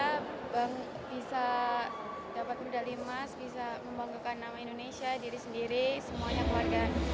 kita bisa dapat medali emas bisa membanggakan nama indonesia diri sendiri semuanya keluarga